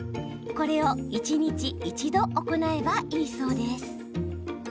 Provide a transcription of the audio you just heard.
これを１日１度行えばいいそうです。